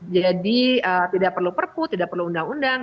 tidak perlu perpu tidak perlu undang undang